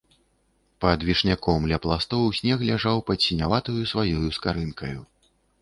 Пад вішняком ля пластоў снег ляжаў пад сіняватаю сваёю скарынкаю.